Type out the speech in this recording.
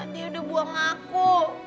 dia udah buang aku